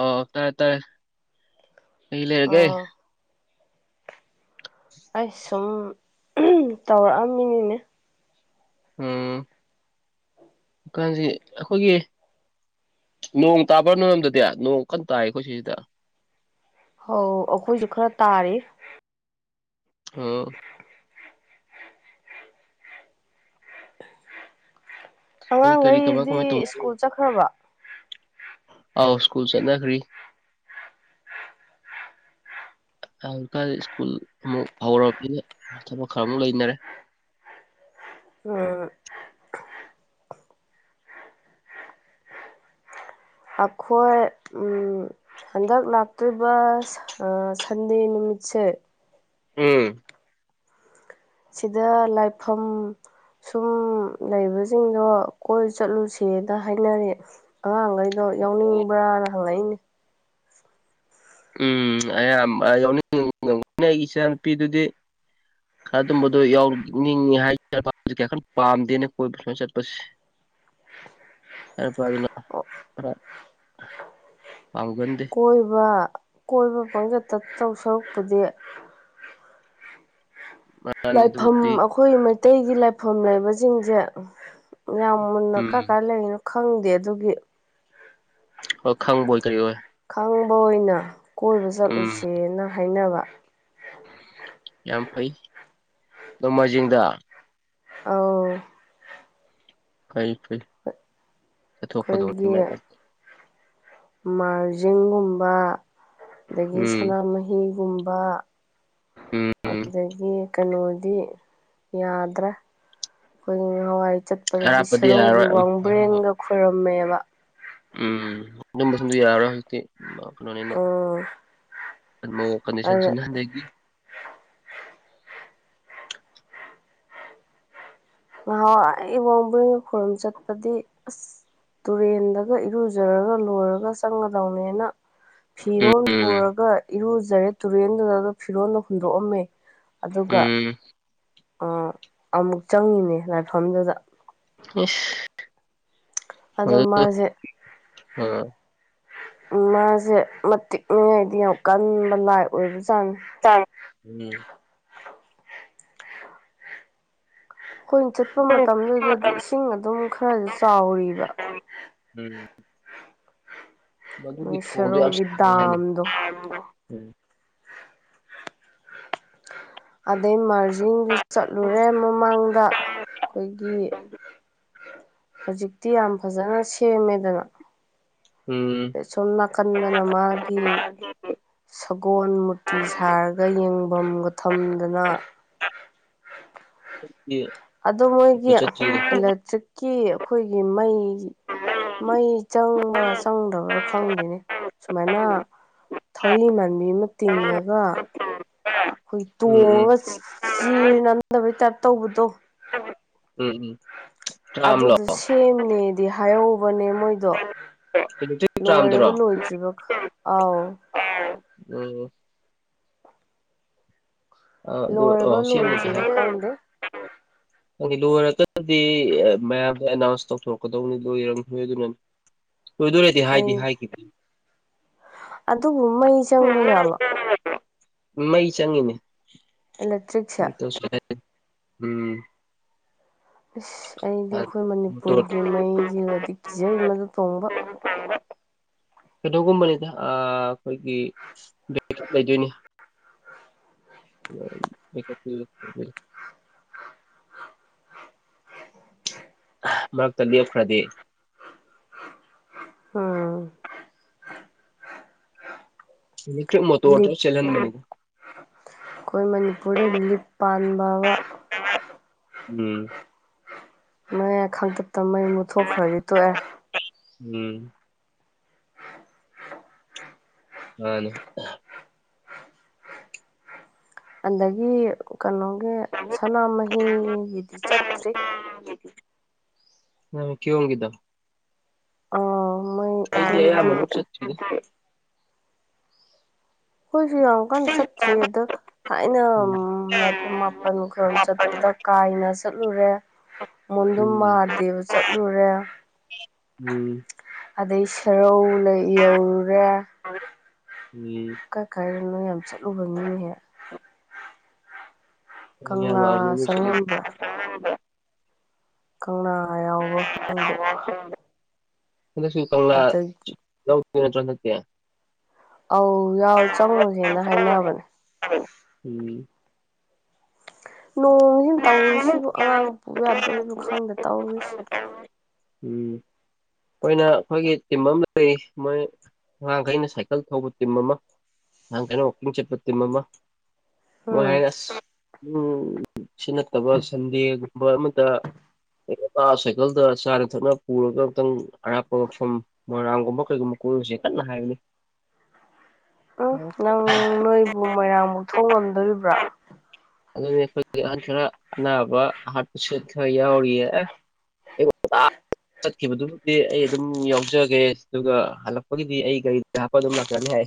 ꯑꯣ ꯇꯥꯔꯦ ꯇꯥꯔꯦ ꯀ ꯂꯩꯔꯒꯦ ꯑꯥ ꯑꯩ ꯁꯨꯝ ꯇꯧꯔꯛꯑꯝꯃꯤꯅꯤꯅꯦ ꯑꯝ ꯀꯣꯁꯤ ꯑꯩꯈꯣꯏꯒꯤ ꯅꯣꯡ ꯇꯥꯕ꯭ꯔꯥ ꯅꯣꯏꯔꯝꯗꯗꯤ ꯅꯣꯡ ꯀꯟꯅ ꯇꯥꯏ ꯑꯩꯈꯣꯏ ꯁꯤꯁꯤꯗ ꯍ ꯑꯩꯈꯣꯏꯁꯨ ꯈꯔ ꯇꯥꯔꯦ ꯑꯣ ꯀꯔꯤ ꯀꯔꯤ ꯀꯃꯥꯏ ꯑꯉꯥꯡꯈꯩꯗꯤ ꯀꯃꯥꯏ ꯇꯧꯅꯔꯤ ꯁ꯭ꯀꯨꯜ ꯆꯠꯈ꯭ꯔꯕ ꯑꯥꯎ ꯁꯀꯨꯜ ꯆꯅꯈꯔꯤ [unintelligible] ꯀꯥꯟ ꯁ꯭ꯀꯨꯜ ꯑꯃꯨꯛ ꯍꯧꯔꯕꯅꯤꯅ ꯊꯕꯛ ꯈꯔꯃꯨꯛ ꯂꯩꯅꯔꯦ ꯑ ꯑꯈꯣꯏ ꯍꯟꯗꯛ ꯂꯥꯛꯇꯣꯏꯔꯤꯕ ꯁꯟꯗꯦ ꯅꯨꯃꯤꯠꯁꯦ ꯎꯝ ꯁꯤꯗ ꯂꯥꯏꯐꯝ ꯁꯨꯝ ꯂꯩꯕꯁꯤꯡꯗꯣ ꯀꯣꯏ ꯆꯠꯂꯨꯁꯦꯅ ꯍꯥꯏꯅꯔꯤ ꯑꯉꯥꯡ ꯩꯗꯣ ꯌꯥꯎꯅꯤꯡꯕ꯭ꯔꯅ ꯍꯪꯂꯉꯛꯏꯅꯦ ꯎꯝ ꯑꯌꯥꯝ ꯌꯥꯎꯅꯤꯡ ꯑꯩꯒꯤ ꯏꯆꯥ ꯅꯨꯄꯤꯗꯨꯗꯤ ꯈꯔ ꯑꯗꯨꯝꯕꯗꯣ ꯌꯥꯎꯅꯤꯡꯉꯤ ꯍꯥꯏꯠ ꯀꯔ ꯄꯥꯝꯗꯦꯅ ꯀꯣꯏꯕ ꯁꯨꯃꯥꯏꯅ ꯆꯠꯄꯁꯦ [unintelligible] ꯌꯥ ꯐ ꯑꯗꯨꯅ ꯈꯔ ꯐꯥꯎꯒꯗꯤ ꯀꯣꯏꯕ ꯀꯣꯏꯕ ꯄꯪꯆꯠꯇ ꯇꯧ ꯁꯔꯨꯛꯄꯗꯤ ꯃꯥꯅꯤ ꯂꯥꯏꯐꯝ ꯑꯗꯨꯕꯨꯗꯤ ꯑꯩꯈꯣꯏ ꯃꯩꯇꯩꯒꯤ ꯂꯥꯏꯐꯝ ꯂꯩꯕꯁꯤꯡꯁꯦ ꯌꯥꯝ ꯃꯨꯟꯅ ꯎꯝ ꯀꯥꯏ ꯀꯥꯏ ꯂꯩꯔꯤꯅꯣ ꯈꯪꯗꯦ ꯑꯗꯨꯒꯤ ꯑꯣ ꯈꯪ ꯜ ꯀꯔꯤ ꯑꯣꯏꯣꯏ ꯈꯪꯕ ꯑꯣꯏꯅ ꯀꯣꯏꯕ ꯎꯝ ꯆꯠꯂꯨꯁꯦꯅ ꯍꯥꯏꯅꯕ ꯌꯥꯝ ꯐꯩ ꯅꯣꯡꯃꯥꯏꯖꯤꯡꯗ ꯑ ꯐꯩ ꯐꯩ ꯆꯊꯣꯛꯀꯗ ꯑꯩꯈꯣꯏꯒꯤ ꯃꯥꯔꯖꯤꯡꯒꯨꯝꯕ ꯑꯗꯒꯤ ꯎꯝ ꯁꯅꯥꯃꯍꯤꯒꯨꯝꯕ ꯎꯝ ꯑꯗꯒꯤ ꯀꯩꯅꯣꯗꯤ ꯌꯥꯗ꯭ꯔꯥ ꯑꯩꯈꯣꯏ ꯍꯋꯥꯏ ꯆꯠ ꯄꯗꯗꯤ ꯑꯔꯥꯞꯄꯗꯤ ꯁꯦꯔꯧꯒꯤ ꯌꯥꯔꯔꯣꯏ ꯋꯥꯡꯕ꯭ꯔꯦꯟꯒ ꯈꯣꯏꯔꯝꯃꯦꯕ ꯎꯝ ꯑꯗꯨꯕꯁꯨ ꯌꯥꯔ꯭ꯔꯣ ꯍꯧꯖꯤꯛꯇꯤ ꯐꯅ ꯎꯝ ꯑꯗ ꯀꯟꯗꯤꯁꯟꯁꯤꯅ ꯍꯟꯗꯒꯤ ꯅꯍꯥꯟꯋꯥꯏ ꯏꯕꯣꯡ ꯕꯨꯔꯤꯡꯒ ꯈꯨꯔꯨꯝ ꯆꯠꯄꯗꯤ ꯑꯁ ꯇꯨꯔꯦꯟꯗꯒ ꯏꯔꯨꯖꯔꯒ ꯂꯣꯏꯔꯒ ꯆꯪꯒꯗꯧꯅꯦꯅ ꯐꯤꯔꯣꯜ ꯎꯝ ꯄꯨꯔꯒ ꯏꯔꯨꯖꯔꯦ ꯇꯨꯔꯦꯟꯗꯨꯗ ꯐꯤꯔꯣꯜꯗ ꯍꯨꯟꯗꯣꯛꯑꯝꯃꯦ ꯑꯗꯨꯒ ꯎꯝ ꯑꯃꯨꯛ ꯆꯪꯉꯤꯅꯦ ꯂꯥꯏꯐꯝꯗꯨꯗ ꯑꯣꯐ ꯑꯗꯣ ꯃꯥꯁꯦ ꯑꯥ ꯃꯥꯁꯦ ꯃꯇꯤꯛꯅꯤꯉꯥꯏꯗꯤ ꯌꯥꯝ ꯀꯟꯕ ꯂꯥꯏ ꯑꯣꯏꯕꯖꯥꯠꯅꯤ ꯇꯝ ꯑꯩꯈꯣꯏꯅ ꯆꯠꯄ ꯎꯝ ꯃꯇꯝꯗꯨꯗꯗꯤ ꯏꯁꯤꯡ ꯑꯗꯨꯝ ꯈꯔꯁꯨ ꯆꯥꯎꯔꯤꯕ ꯎꯝ ꯃꯗꯨꯒꯤ ꯃꯣꯏ ꯊꯣꯟꯗ ꯌꯥꯝ ꯁꯦꯔꯧꯒꯤ ꯁꯥꯡꯉ ꯗꯥꯝꯗꯣ ꯍꯥꯏ ꯑꯗꯩ ꯃꯥꯔꯖꯤꯤꯡꯗꯨ ꯆꯠꯂꯨꯔꯦ ꯃꯃꯥꯡꯗ ꯑꯩꯈꯣꯏꯒꯤ ꯍꯧꯖꯤꯛꯇꯤ ꯌꯥꯝ ꯐꯖꯅ ꯁꯦꯝꯃꯦꯗꯅ ꯎꯝ ꯁꯣꯝ ꯎꯝ ꯅꯥꯀꯟꯗꯅ ꯃꯥꯒꯤ ꯁꯒꯣꯜ ꯃꯨꯔꯇꯤ ꯁꯥꯔꯒ ꯌꯦꯡꯐꯝꯒ ꯊꯝꯗꯅ [unintelligible] ꯑꯗꯣ ꯃꯣꯏꯒꯤ ꯆꯠꯇ꯭ꯔꯤꯕ ꯏꯂꯦꯛꯇ꯭ꯔꯤꯛꯀꯤ ꯑꯩꯈꯣꯏꯒꯤ ꯃꯩ ꯃꯩ ꯎꯝ ꯆꯪꯕ꯭ꯔꯥ ꯆꯪꯗꯕ꯭ꯔꯥ ꯈ ꯐꯪꯗꯦꯅꯦ ꯁꯨꯃꯥꯏꯅ ꯊꯧꯔꯤ ꯃꯥꯟꯕꯤ ꯑꯃ ꯇꯤꯡꯉꯒ ꯑꯩꯈꯣꯏꯒꯤ ꯇꯣꯡꯉꯒ ꯎꯝ ꯆꯤ ꯅꯗꯕꯩ ꯇꯥꯏꯞ ꯇꯧꯕꯗꯣ ꯎꯝ ꯎꯝ ꯇ꯭ꯔꯥꯝꯂꯣ ꯑꯗꯨꯗꯨ ꯁꯦꯝꯅꯦꯗꯤ ꯍꯥꯏꯍꯧꯕꯅꯦ ꯃꯣꯏꯗꯣ ꯏꯂꯦꯛꯇ꯭ꯔꯤꯛ ꯂꯣꯏꯔꯕ ꯇ꯭ꯔꯥꯝꯗꯨꯔꯣ ꯂꯣꯏꯗ꯭ꯔꯤꯕ ꯑꯥꯎ ꯎꯝ ꯑ ꯑꯗꯨ ꯂꯣꯏꯔꯕ ꯑꯣ ꯁꯤꯒꯦ ꯂꯣꯏꯗ꯭ꯔꯤꯕ ꯈꯪꯗꯦ ꯅꯪ ꯂꯣꯏꯔꯀ꯭ꯔꯗꯤ ꯃꯌꯥꯝꯗ ꯑꯦꯅꯥꯎꯟꯁ ꯇꯧꯊꯣꯔꯛꯀꯗꯧꯅꯤ ꯂꯣꯏꯔꯝꯅꯤꯣꯏ ꯑꯗꯨꯅ ꯇꯗꯨ ꯇꯍꯏ ꯇꯗꯤꯍꯥꯏ ꯀ ꯑꯗꯨꯨꯝꯩ ꯆꯪꯕ ꯆꯥꯂꯣ ꯃꯩ ꯆꯪꯉꯤꯅꯦ ꯏꯂꯦꯛꯇ꯭ꯔꯤꯛꯁꯦ ꯎꯝ ꯑꯁ ꯑꯩꯗꯤ ꯑꯩꯈꯣꯏ ꯃꯣꯇꯣꯔ ꯃꯅꯤꯄꯨꯔꯒꯤ ꯃꯩꯁꯤꯗꯗꯤ ꯀꯤꯖꯩ ꯃꯗꯨ ꯇꯣꯡꯕ ꯑꯗꯨ ꯐꯝꯕ ꯀꯩꯩꯅꯣꯒꯨꯝꯕꯅꯤꯗ ꯑꯩꯈꯣꯏꯒꯤ ꯕꯦꯒꯞ ꯂꯩꯗꯣꯏꯅꯤ ꯎ ꯃꯔꯛꯇ ꯂꯦꯞꯈ꯭ꯔꯗꯤꯦ ꯑꯣꯥ ꯃꯣ ꯋꯥꯔꯣ ꯂꯤꯞ ꯁꯦꯂꯍꯟ ꯃ ꯑꯩꯈꯣꯏ ꯃꯅꯤꯄꯨꯔꯗ ꯂꯤꯞ ꯄꯥꯟꯕ ꯎꯝ ꯃꯌꯥ ꯈꯥꯡꯇꯠꯇ ꯃꯩ ꯃꯨꯠꯊꯣꯛꯈ꯭ꯔꯗꯤ ꯇꯣꯛꯑꯦ ꯎꯝ ꯑꯅꯦ ꯑꯗꯒꯤ ꯀꯩꯅꯣꯒꯤ ꯁꯅꯥꯃꯍꯤꯒꯤꯗꯤ ꯆꯠꯇ꯭ꯔꯤ ꯀ ꯀꯗ ꯑꯥ ꯃꯣꯏ ꯑꯗꯨꯗꯤ ꯆꯠ ꯑꯩꯈꯣꯏꯁꯨ ꯌꯥꯝ ꯀꯟꯅ ꯆꯠꯇ꯭ꯔꯤ ꯑꯗꯣ ꯊꯥꯏꯅ ꯎꯝ ꯂꯥꯏꯐꯝ ꯃꯥꯄꯟ ꯈꯔꯣꯝ ꯆꯠꯄꯗ ꯀꯥꯏꯅ ꯆꯠꯂꯨꯔꯦ ꯃꯨꯗꯨꯝ ꯎꯝ ꯃꯍꯥꯗꯦꯕ ꯆꯠꯂꯨꯔꯦ ꯎꯝ ꯑꯗꯩ ꯁꯦꯔꯧ ꯌꯧꯔꯨꯔꯦ ꯎꯝ ꯀ ꯀꯥꯏꯔꯅꯣ ꯌꯥꯝ ꯆꯠꯂꯨꯕ ꯃꯤꯍꯦꯛ ꯑꯩ ꯑꯌꯥꯝꯕ ꯀꯪꯂꯥ ꯑꯗꯨꯗ ꯂꯣꯏ ꯆꯠꯂꯦ ꯆꯪꯉꯝꯕ꯭ꯔꯥ ꯀꯪꯂꯥ ꯌꯥꯎꯕ ꯈꯪꯗꯦ ꯎꯝ ꯀꯗꯁꯨ ꯑꯗꯒꯤ ꯀꯪꯂꯪꯂ ꯅꯠꯇ꯭ꯔꯌꯥ ꯑꯧ ꯌꯥꯎ ꯆꯪꯉꯨꯁꯦꯅ ꯍꯥꯏꯅꯕꯅꯦ ꯎꯝ ꯅꯣꯡꯁꯤꯅ ꯎꯝ ꯇꯧꯨꯁꯤꯕꯨ ꯑꯉꯥꯡ ꯄꯨ ꯌꯥꯗꯣꯔꯤꯅ ꯈꯪꯗꯦ ꯇꯧꯔꯨꯔꯤꯁꯤ ꯎꯝ ꯃꯣꯏꯅ ꯑꯩꯈꯣꯏꯒꯤ ꯇꯤꯝ ꯑꯃ ꯂꯩꯔꯤ ꯃꯣꯏ ꯑꯉꯥꯡꯈꯩꯅ ꯁꯥꯏꯀꯜ ꯊꯧꯕ ꯇꯤꯝ ꯑꯃ ꯅꯍꯥꯟ ꯀꯩꯅꯣ ꯋꯀꯤꯡ ꯆꯠꯄ ꯇꯤꯝ ꯑꯃ ꯃꯣꯏ ꯎꯝ ꯍꯥꯏꯅ ꯑꯁ ꯎꯝ ꯁꯤ ꯅꯠꯇꯕ ꯁꯟꯗꯦꯒꯨꯝꯕ ꯑꯃꯗ ꯑꯉ ꯁꯥꯏꯀꯜꯗ ꯆꯥꯅ ꯊꯛꯅ ꯄꯨꯔꯒ ꯑꯨꯛꯇꯪ ꯑꯔꯥꯞꯄ ꯃꯐꯝ ꯃꯣꯏꯔꯥꯡꯒꯨꯝꯕ ꯀꯩꯒꯨꯝꯕ ꯀꯣꯏꯔꯁꯦ ꯀꯟꯅ ꯍꯥꯏꯕꯅꯤ ꯎꯝ ꯅꯪ ꯅꯣꯏꯕꯨ ꯃꯣꯏꯔꯥꯡꯃꯨꯛ ꯊꯣꯡꯉꯝꯗꯣꯔꯤꯕ꯭ꯔꯥ ꯑꯗꯨꯅꯤ ꯑꯩꯈꯣꯏꯒꯤ ꯑꯍꯟ ꯈꯔ ꯑꯅꯥꯕ ꯍꯥꯔꯠꯄꯁ ꯈꯔ ꯌꯥꯎꯔꯤꯌꯦ [inaudible] ꯆꯠꯈꯤꯕꯗꯨꯕꯨꯗꯤ ꯑꯩ ꯑꯗꯨꯝ ꯌꯥꯎꯖꯒꯦ ꯑꯗꯨꯒ ꯍꯜꯂꯛꯄꯒꯤꯗꯤ ꯑꯩ ꯒꯥꯔꯤ ꯌꯥꯄ ꯑꯗꯨꯝ ꯂ꯭ꯔꯅꯤꯦ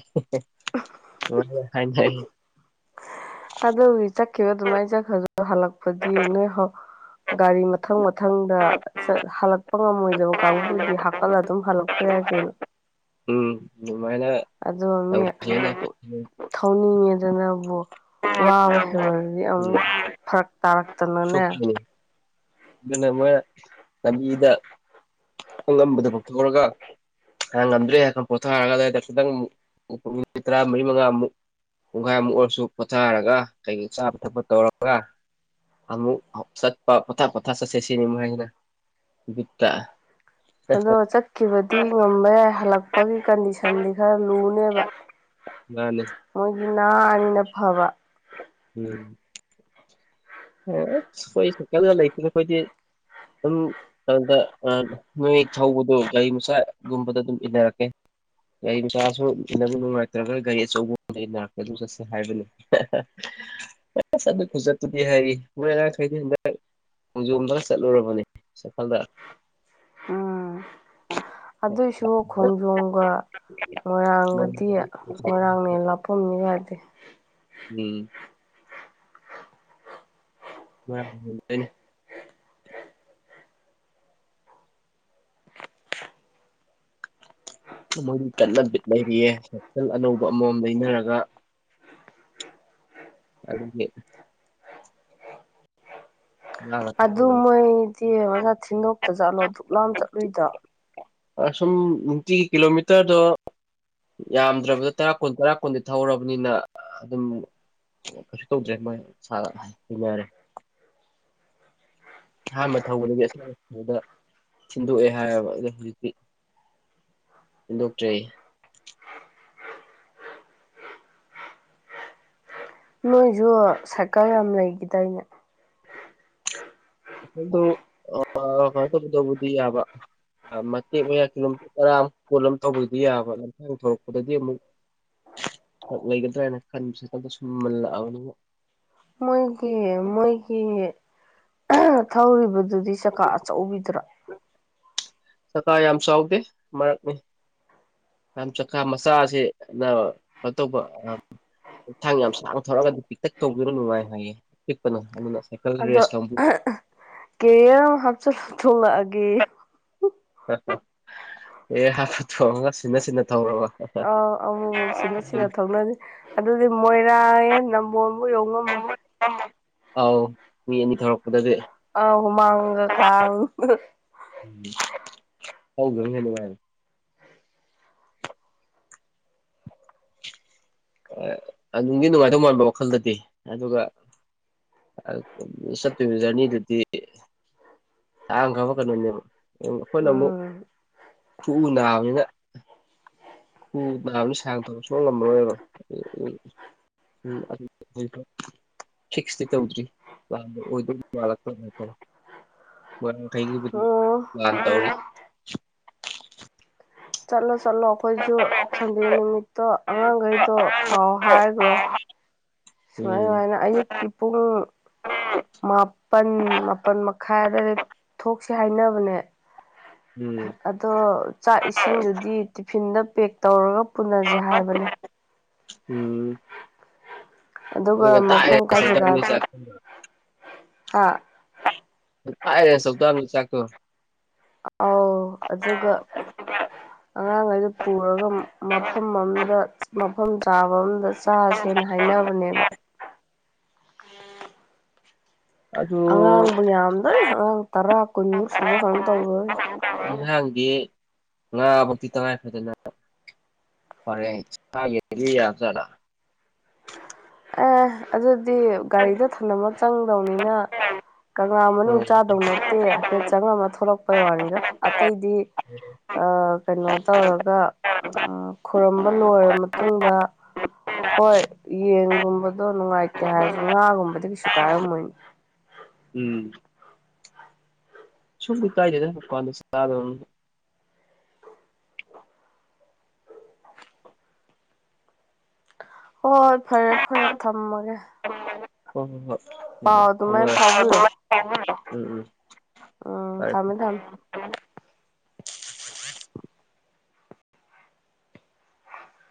ꯎꯝ ꯍꯥꯏ ꯑꯗꯨ ꯆꯠꯈꯤꯕ ꯑꯗꯨꯃꯥꯏꯅ ꯆꯠꯈ꯭ꯔꯗ ꯍꯜꯂꯛꯄꯗꯤ ꯅꯣꯏ ꯒꯥꯔꯤ ꯃꯊꯪ ꯃꯊꯪꯗ ꯍꯜꯂꯛꯄ ꯉꯝꯃꯣꯏꯗꯕ ꯀꯥꯡꯕꯨꯗꯤ ꯍꯥꯞꯀꯠꯂ ꯑꯗꯨꯝ ꯍꯜꯂꯛꯄ ꯌꯥꯏ ꯀꯩꯅꯣ ꯎꯝ ꯑꯗꯨꯃꯥꯏꯅ ꯑꯗꯨꯣ ꯃꯤ ꯇꯧꯁꯦꯅ ꯎꯝ ꯊꯧꯅꯤꯡꯉꯦꯗꯅꯕꯨ ꯋꯥꯕ ꯍꯦꯕꯗꯤ ꯑꯃꯨꯛ ꯐꯔꯛ ꯇꯥꯔꯛꯇꯅꯅꯦ ꯁꯣꯛꯈꯤꯅꯤ ꯑꯗꯨꯅ ꯃꯣꯏꯅ ꯂꯝꯕꯤꯗ ꯑꯂꯝꯕꯗ ꯀꯥꯎꯊꯣꯛꯔꯒ ꯉꯝꯗ꯭ꯔꯦ ꯍꯥꯏ ꯄꯣꯊꯥꯔꯒ ꯈꯤꯇꯪ ꯃꯤꯅꯤꯠ ꯇꯔꯥꯃꯔꯤ ꯃꯉꯥꯃꯨꯛ ꯄꯨꯡꯈꯥꯏꯃꯨꯛ ꯑꯣꯏꯔꯁꯨ ꯄꯣꯊꯥꯔꯒ ꯀꯩꯒ ꯆꯥꯕ ꯊꯛꯄ ꯇꯧꯔꯒ ꯑꯃꯨꯛ ꯆꯠꯄ ꯄꯊꯥ ꯄꯊ ꯆꯠ ꯁꯦꯁꯤꯅꯤꯃꯨ ꯍꯥꯏꯅ ꯠꯇ ꯑꯗꯣ ꯆꯠꯈꯤꯕꯗꯤ ꯉꯝꯕ ꯌꯥꯏ ꯍꯜꯂꯛꯄꯒꯤ ꯀꯟꯗꯤꯁꯟꯗꯤ ꯈꯔ ꯂꯨꯅꯤ ꯅꯦꯕ ꯃꯥꯅꯦ ꯃꯣꯏꯒꯤ ꯉꯍꯥ ꯑꯅꯤꯅ ꯐꯕ ꯎꯝ ꯑꯩꯈꯣꯏ ꯁꯥꯏꯀꯜꯗ ꯂꯩꯇꯅ ꯑꯩꯈꯣꯏꯗꯤ ꯑꯗꯨꯝ ꯑꯗꯨꯗ ꯅꯣꯏ ꯊꯧꯕꯗꯣ ꯒꯥꯔꯤ ꯃꯆꯥꯒꯨꯝꯕꯗ ꯑꯗꯨꯝ ꯏꯟꯅꯔꯛꯀꯦ ꯒꯥꯔꯤ ꯃꯆꯥꯁꯨ ꯅꯪ ꯅꯨꯡꯉꯥꯏꯇ꯭ꯔꯒ ꯒꯥꯔꯤ ꯑꯆꯧꯕ ꯑꯃꯗ ꯔꯛꯀꯦ ꯑꯗꯨꯝ ꯆꯠꯁꯦ ꯍꯥꯏꯕꯅꯦ ꯆ ꯈꯣꯖ ꯑꯦ ꯍꯥꯏꯌꯦ ꯃꯣꯏꯅꯔ ꯈꯩꯗ ꯍꯟꯗꯛ ꯈꯣꯡꯖꯣꯝꯗ ꯆꯠꯂꯨꯔꯕꯅꯦ ꯁꯥꯏꯐꯜꯗ ꯎꯝ ꯑꯗꯨꯏꯁꯨ ꯈꯣꯡꯖꯣꯝꯒ ꯃꯣꯏꯔꯥꯡꯒꯗꯤ ꯃꯣꯏꯔꯥꯡꯅꯦ ꯂꯥꯞ ꯄꯨꯝꯅꯤꯕꯗꯤ ꯎꯝ ꯍꯣꯏꯅꯤ ꯃꯣꯏꯗꯤ ꯀꯠꯅ ꯕꯤꯠ ꯂꯩꯔꯤꯑ ꯁꯥꯏꯀꯜ ꯑꯅꯧꯕ ꯑꯃꯃꯝ ꯂꯩꯅꯔꯒ ꯑꯗꯨꯗꯤ ꯑꯗꯨ ꯃꯣꯏꯗꯤ ꯃꯖꯥ ꯊꯤꯟꯗꯣꯛꯇ ꯆꯥꯠꯂꯣ ꯗꯨꯛꯂꯥꯝ ꯆꯠꯂꯨꯏꯗꯣ ꯁꯨꯝ ꯅꯨꯡꯇꯤꯒꯤ ꯀꯤꯂꯣꯃꯤꯇꯔꯗꯣ ꯌꯥꯝꯗ꯭ꯔꯕꯗ ꯇꯔꯥ ꯀꯨꯟ ꯇꯔꯥ ꯀꯨꯟꯗꯤ ꯊꯧꯔꯕꯅꯤꯅ ꯑꯗꯨꯝ ꯑꯣ ꯀꯩꯁꯨ ꯇꯧꯗ꯭ꯔꯦ ꯃꯣꯏꯔꯦ ꯑꯍꯥꯟꯕ ꯊꯧꯕꯗꯒꯤ ꯑꯁꯕꯗ ꯁꯤꯤꯟꯗꯣꯛꯑꯦ ꯍꯥꯏꯌꯦꯕ ꯑꯣ ꯍꯧꯖꯤꯛꯇꯤ ꯗꯣꯛꯇꯔꯤ ꯅꯣꯏꯁꯨ ꯁꯥꯏꯀꯜ ꯌꯥꯝ ꯂꯩꯈꯤꯗꯥꯏꯅꯦ ꯑꯗꯨꯣ ꯑ ꯇꯕꯨ ꯇꯕꯨꯗꯤ ꯌꯥꯕ ꯃꯇꯦꯛ ꯃꯌꯥ ꯀꯤꯂꯣ ꯄꯠ ꯇꯔꯥ ꯑꯃꯛ ꯐꯣꯠ ꯑꯃ ꯇꯧꯕꯒꯤꯗꯤ ꯌꯥꯕ ꯂꯝꯊꯥꯡ ꯊꯣꯔꯛꯄꯗꯗꯤ ꯑꯃꯨꯛ ꯂꯩꯒꯗ꯭ꯔꯥꯅ ꯈꯟꯕꯁꯤ ꯁꯨꯝ ꯃꯜꯂꯛꯑꯕꯅꯤ ꯃꯣꯏꯒꯤ ꯃꯣꯏꯒꯤ ꯊꯧꯔꯤꯕꯗꯨꯗꯤ ꯆꯀꯥ ꯑꯆꯧꯕꯤꯗ꯭ꯔꯥ ꯆꯀꯥ ꯌꯥꯝ ꯆꯥꯎꯗꯦ ꯃꯔꯛꯅꯤ ꯌꯥꯝ ꯆꯈꯥ ꯃꯆꯥꯁꯤ ꯀꯩꯅꯣ ꯇꯧꯕ ꯊꯥꯡ ꯌꯥꯝ ꯁꯥꯡꯅ ꯊꯧꯔꯛꯑꯒꯗꯤ ꯄꯤꯛꯇꯛ ꯇꯧꯗꯅ ꯅꯨꯡꯉꯥꯏ ꯍꯥꯏꯌꯦ ꯄꯤꯛꯄꯅ ꯑꯗꯨꯅ ꯁꯥꯏꯀꯜ ꯑꯗꯣ ꯔꯦꯁ ꯀꯥꯡꯕꯨ ꯀꯦ ꯍꯥꯞꯆꯤꯟ ꯊꯣꯛꯂꯛꯑꯒꯦ ꯑꯦ ꯍꯥꯐꯨꯠ ꯊꯣꯡꯉꯒ ꯁꯤꯅ ꯁꯤꯟꯅ ꯊꯧꯔꯒ ꯑꯥꯎ ꯑꯃꯨꯛ ꯑꯃꯨꯛ ꯁꯤꯅ ꯁꯤꯅ ꯊꯣꯛꯅꯔꯤ ꯑꯗꯨꯗꯤ ꯃꯣꯏꯔꯥꯡ ꯅꯝꯕꯣꯣꯟ ꯌꯉꯃ ꯑꯥꯎ ꯃꯤ ꯑꯅꯤ ꯊꯧꯔꯛꯄꯗꯗꯤ ꯑ ꯍꯨꯃꯥꯡ ꯈꯥ ꯎꯝ ꯍꯒꯪꯅꯦ ꯑꯗꯨꯉꯥꯏꯅꯦ ꯑꯗꯨꯒꯤ ꯅꯨꯡꯉꯥꯏꯇꯧ ꯃꯥꯟꯕ ꯋꯥꯈꯜꯗꯗꯤ ꯑꯗꯨꯒ ꯁꯠꯇꯖꯅꯤꯗꯨꯗꯤ ꯇꯥꯡꯈ꯭ꯔꯕ ꯀꯩꯅꯣꯅꯦꯕ ꯑꯩꯈꯣꯏꯅ ꯑꯃꯨꯛ ꯎꯝ ꯊꯨꯎ ꯅꯥꯕꯅꯤꯅ ꯎ ꯕ ꯁꯥꯡ ꯇꯧ ꯁꯣꯛ ꯉꯝꯃꯔꯣꯏꯕ ꯎ ꯎꯝ ꯑꯗꯨꯣ ꯐꯤꯁ ꯇ ꯎꯗ꯭ꯔꯤꯗꯇꯥꯦ ꯊꯦꯡꯨ ꯑꯣ ꯌꯥ ꯇ ꯆꯠꯂꯣ ꯆꯠꯂꯣ ꯑꯩꯈꯣꯏꯁꯨ ꯁꯟꯗꯦ ꯅꯨꯃꯤꯠꯇꯣ ꯑꯉꯥꯡꯈꯩꯗꯣ ꯄꯥꯎ ꯍꯥꯏꯈ꯭ꯔꯣ ꯁꯨꯃꯥꯏ ꯎꯝ ꯁꯨꯃꯥꯏꯅ ꯑꯌꯨꯛꯀꯤ ꯄꯨꯡ ꯃꯥꯄꯟ ꯃꯥꯄꯜ ꯈꯥꯏꯗꯔꯦ ꯊꯣꯛꯁꯦ ꯍꯥꯏꯅꯕꯅꯦ ꯎꯝ ꯑꯗꯣ ꯆꯥꯛ ꯏꯁꯤꯡꯗꯨꯗꯤ ꯇꯤꯐꯤꯟꯗ ꯄꯦꯛ ꯇꯧꯔꯒ ꯄꯨꯅꯁꯦ ꯍꯥꯏꯕꯅꯦ ꯎꯝ ꯑꯗꯨꯒ ꯇꯥꯛꯑꯦ ꯃꯐꯝ ꯀꯥꯏ ꯖꯒꯥ ꯍꯥ ꯦ ꯁ ꯇ ꯆꯥꯛꯀ ꯑꯧ ꯑꯗꯨꯒ ꯑꯉꯥꯡꯈꯩꯗꯨ ꯄꯨꯔꯒ ꯃꯐꯝ ꯑꯃꯗ ꯃꯐꯝ ꯆꯥꯕ ꯑꯃꯝꯗ ꯆꯥꯁꯦꯅ ꯍꯥꯏꯅꯕꯅꯦꯕ ꯑꯗꯨ ꯑꯉꯥꯡꯕꯨ ꯌꯥꯝꯗꯣꯔꯤ ꯑꯉꯥꯡ ꯇꯔꯥ ꯀꯨꯟꯃꯨꯛ ꯁꯨꯕ ꯀꯩꯅꯝ ꯇꯧꯗꯣꯏ ꯏꯟꯍꯥꯡꯗꯤ ꯉꯥꯃꯛꯇꯤ ꯇꯉꯥꯏꯐꯗꯅ ꯑꯣꯔꯦꯟꯖ ꯌꯦꯔꯤ ꯌꯥ ꯆꯔ ꯑꯦ ꯑꯗꯨꯗꯤ ꯒꯥꯔꯤꯗ ꯊꯝꯅꯕ ꯆꯪꯗꯧꯅꯤꯅ ꯀꯪꯂꯥ ꯎꯝ ꯃꯅꯨꯡ ꯆꯥꯗꯧ ꯅꯠꯇꯦ ꯍꯥꯏꯐꯦꯠ ꯆꯪꯉꯝꯃ ꯊꯣꯛꯂꯛꯄꯩ ꯋꯥꯅꯤꯗꯣ ꯑꯇꯩꯗꯤ ꯀꯩꯅꯣ ꯇꯧꯔꯒ ꯈꯨꯔꯨꯝꯝꯕ ꯂꯣꯏꯔꯕ ꯃꯇꯨꯡꯗ ꯍꯣꯏ ꯌꯦꯟꯒꯨꯝꯕꯗꯣ ꯅꯨꯡꯉꯥꯏꯇꯦ ꯍꯥꯏꯔꯁꯨ ꯉꯥꯒꯨꯝꯕ ꯀꯩꯁꯨ ꯀꯥꯏꯔꯝꯃꯣꯏꯅꯤ ꯎꯝ ꯁꯨꯝ ꯀꯥꯏꯗꯦꯗꯥꯟꯗ ꯁ ꯍꯣꯏ ꯐꯔꯦ ꯐꯔꯦ ꯊꯝꯃꯒꯦ ꯍ ꯍꯣ ꯍꯣ ꯄꯥꯎ ꯑꯗꯨꯃꯥꯏꯅ ꯐꯥꯎꯕꯤꯔꯣ ꯎꯝ ꯎꯝ ꯎꯝ ꯇꯥꯏ ꯊꯝꯃꯦ ꯊꯝꯃꯦ